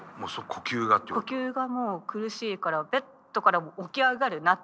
呼吸がもう苦しいからベッドから起き上がるなっていう。